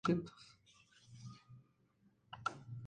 Veamos, por ejemplo el estudio de los genes.